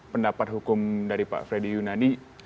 pendapat hukum dari pak freddy yunadi